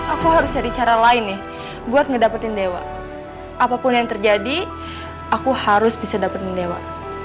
aku harus cari cara lain nih buat ngedapetin dewa apapun yang terjadi aku harus bisa dapetin dewa